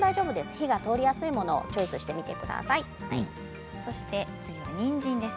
火がとおりやすいものをチョイスしてみてください。